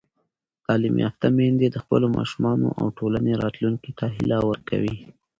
تعلیم یافته میندې د خپلو ماشومانو او ټولنې راتلونکي ته هیله ورکوي.